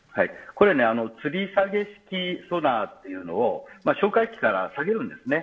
つり下げ式ソナーというものを哨戒機から下げるんですね。